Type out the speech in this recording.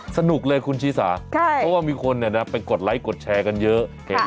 สนุกเลยคุณชีสาเพราะว่ามีคนไปกดไลค์กดแชร์กันเยอะ